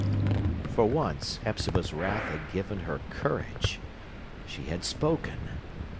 For once, Hepzibah's wrath had given her courage. She had spoken.